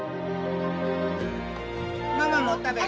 ママも食べる？